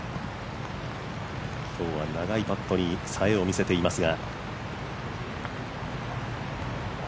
今日は長いパットに冴えを見せています。